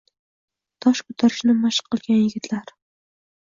Tosh ko’tarishni mashq qilgan yigitlar.